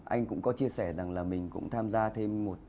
anh cũng có chia sẻ rằng là mình cũng tham gia thêm một